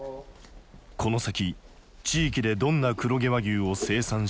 この先地域でどんな黒毛和牛を生産していくのか。